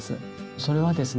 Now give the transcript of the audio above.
それはですね